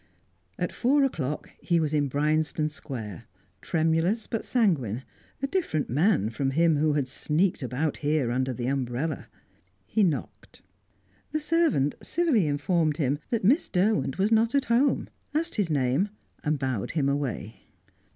At four o'clock he was in Bryanston Square, tremulous but sanguine, a different man from him who had sneaked about here under the umbrella. He knocked. The servant civilly informed him that Miss Derwent was not at home, asked his name, and bowed him away.